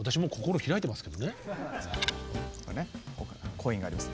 コインがあります